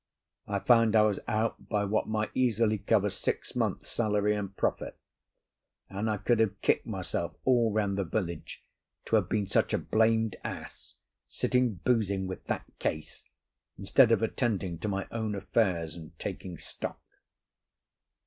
I found I was out by what might easily cover six months' salary and profit, and I could have kicked myself all round the village to have been such a blamed ass, sitting boozing with that Case instead of attending to my own affairs and taking stock.